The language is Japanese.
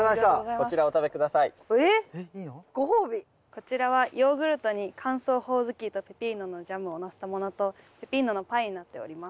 こちらはヨーグルトに乾燥ホオズキとペピーノのジャムをのせたものとペピーノのパイになっております。